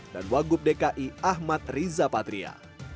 dan wagub dki ahmad riza patria